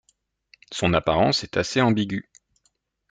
Son apparence est assez ambiguë.